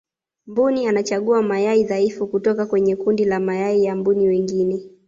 mbuni anachagua mayai dhaifu kutoka kwenye kundi la mayai ya mbuni wengine